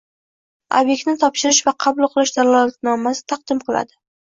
ob’ektni topshirish va qabul qilish dalolatnomasi taqdim qiladi.